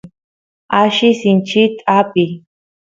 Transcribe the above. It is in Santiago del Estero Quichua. alli sinchit apiy